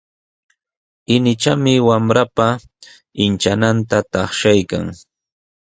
Inichami wamranpa inchananta taqshaykan.